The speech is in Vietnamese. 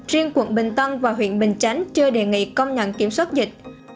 riêng quận bình tân và huyện bình chánh chưa đề nghị công nhận kiểm soát dịch